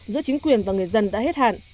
giữa chính quyền và người dân đã hết hạn